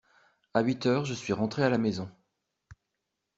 À huit heures je suis rentré à la maison.